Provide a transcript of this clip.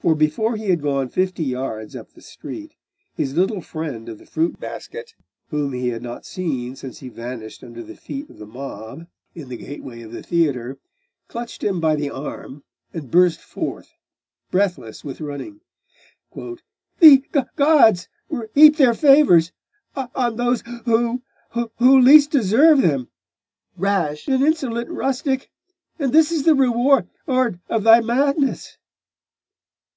For before he had gone fifty yards up the street, his little friend of the fruit basket, whom he had not seen since he vanished under the feet of the mob in the gateway of the theatre, clutched him by the arm, and burst forth, breathless with running 'The gods heap their favours on those who who least deserve them! Rash and insolent rustic! And this is the reward of thy madness!